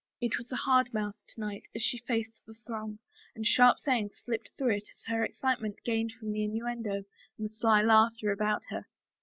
It was a hard mouth to night as she faced the throng, and sharp sayings slipped through it as her excitement gained from the innuendo and sly laughter about her.